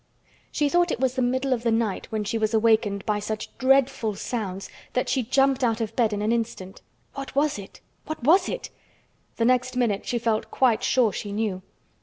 She thought it was the middle of the night when she was awakened by such dreadful sounds that she jumped out of bed in an instant. What was it—what was it? The next minute she felt quite sure she knew.